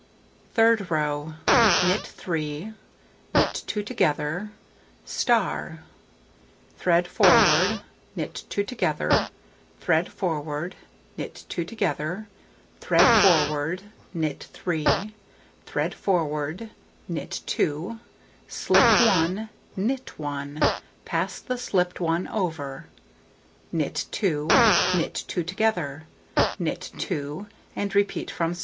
Third row: Knit 3, knit 2 together,* thread forward, knit 2 together, thread forward, knit 2 together, thread forward, knit 3, thread forward, knit 2, slip 1, knit 1, pass the slipped one over, knit 2, knit 2 together, knit 2, and repeat from *.